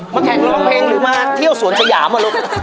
มาแข่งร้องเพลงหรือมาเที่ยวสวนชะยามอะ